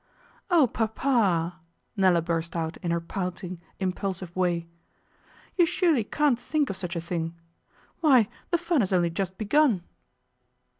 'Oh, Papa!' Nella burst out in her pouting, impulsive way. 'You surely can't think of such a thing. Why, the fun has only just begun.